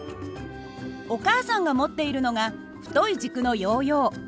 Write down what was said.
お母さんが持っているのが太い軸のヨーヨー。